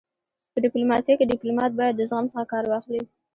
په ډيپلوماسی کي ډيپلومات باید د زغم څخه کار واخلي.